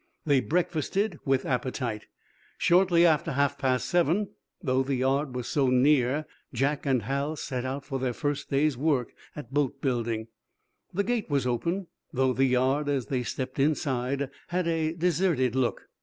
They breakfasted with appetite. Shortly after half past seven, though the yard was so near, Jack and Hal set out for their first day's work at boat building. The gate was open, though the yard, as they stepped inside, had a deserted look.